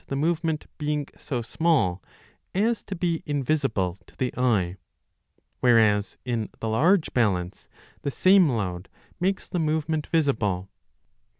645 8 K 849* MECHANICA movement being so small as to be invisible to the eye. Whereas in the large balance the same load makes the movement visible.